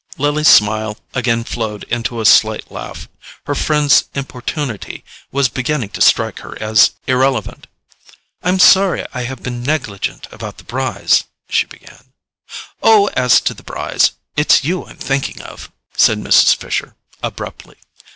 Lily's smile again flowed into a slight laugh: her friend's importunity was beginning to strike her as irrelevant. "I'm sorry I have been negligent about the Brys——" she began. "Oh, as to the Brys—it's you I'm thinking of," said Mrs. Fisher abruptly.